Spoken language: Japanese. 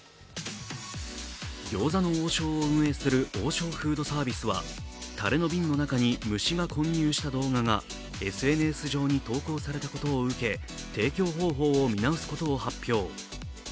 餃子の王将を運営する王将フードサービスはたれの瓶の中に虫が混入した動画がＳＮＳ上に投稿されたことを受け、提供方法を見直すことを発表。